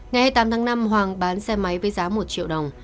ngày hai mươi tám tháng năm hoàng bán xe máy với giá một triệu đồng